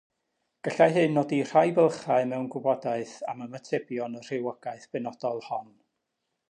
Gallai hyn nodi rhai bylchau mewn gwybodaeth am ymatebion y rhywogaeth benodol hon.